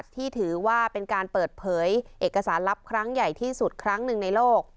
ที่ถือว่าเป็นการเปิดเผยเอกสารลับครั้งใหญ่ที่สุดครั้งหนึ่งในโลก